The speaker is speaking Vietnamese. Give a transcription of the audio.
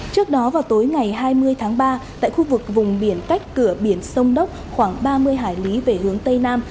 trước đó vào tối ngày hai mươi tháng ba tại khu vực vùng biển cách cửa biển sông đốc khoảng ba mươi hải lý về hướng tây nam